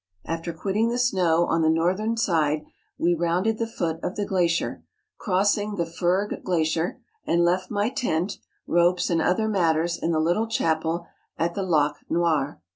After quitting the snow on the northern side we rounded the foot of the glacier, crossing the Furgge Glacier, and left my tent, ropes, and other matters in the little chapel at the Lac Noir.